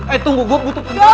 eh tunggu gue butuh ini